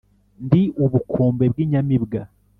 Ndi ubukombe bw’ inyamibwa,